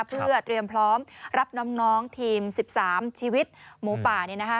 เพื่อเตรียมพร้อมรับน้องทีม๑๓ชีวิตหมูป่า